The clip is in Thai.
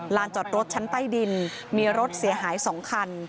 จอดรถชั้นใต้ดินมีรถเสียหาย๒คัน